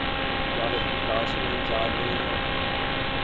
کیا آپ اپنی کلاس میں جا رہے ہیں؟